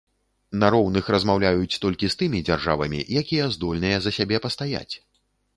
На роўных размаўляюць толькі з тымі дзяржавамі, якія здольныя за сябе пастаяць.